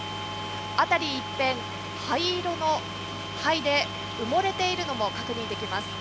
あたり一辺、灰色の灰で埋もれているのも確認できます。